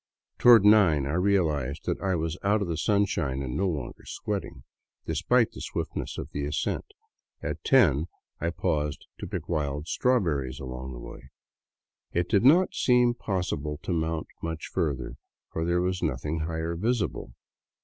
Toward nine I realized that I was out of the sunshine and no longer sweating, despite the swiftness of the ascent ; at ten I paused to pick wild straw berries along the way. It did not seem possible to mount much further, for there was nothing higher visible.